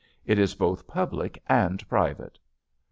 It is both public and private."